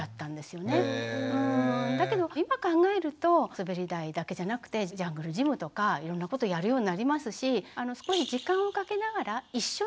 だけど今考えるとすべり台だけじゃなくてジャングルジムとかいろんなことやるようになりますし。